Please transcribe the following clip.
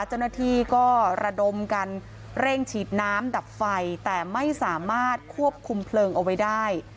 เจ้าหน้าที่ก็ระดมกันเร่งฉีดน้ำดับไฟแต่ไม่สามารถควบคุมเพลิงเอาไว้ได้